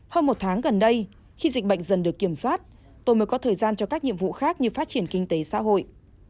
hơn một tháng gần đây khi dịch bệnh dần được kiểm soát tôi mới có thời gian cho các nhiệm vụ khác như phát triển kinh tế xã hội